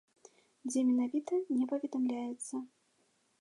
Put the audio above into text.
Дзе менавіта, не паведамляецца.